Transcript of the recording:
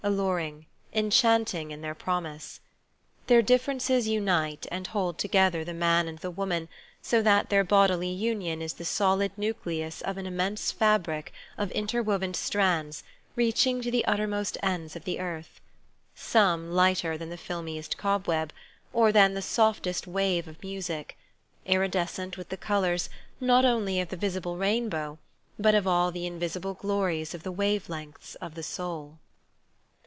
_=iJlu"ng. enchanting in their promise. Their differences unite and hold together the man B 2 2 Married Love and the woman so that their bodily union is the solid nucleus of an immense fabric of interwoven strands reaching to the uttermost ends of the earth; some lighter than the filmiest cobweb, or than the softest wave of music, iridescent with the colours, not only of the visible rainbow, but of all the invisible glories of the wave lengths of the soul.